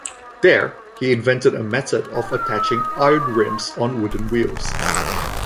There, he invented a method of attaching iron rims on wooden wheels.